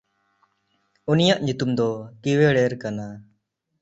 ᱩᱱᱤᱭᱟᱜ ᱧᱩᱛᱩᱢ ᱫᱚ ᱠᱤᱣᱮᱲᱮᱨ ᱠᱟᱱᱟ᱾